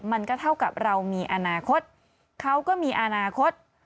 มันก็เท่ากับเรามีอนาคตเขาก็มีอนาคต